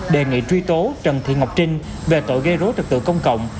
đề nghị truy tố trần thị ngọc trinh về tội gây rối trật tự công cộng